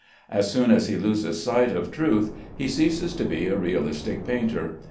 As soon as he loses sight of truth he ceases to be a realistic painter.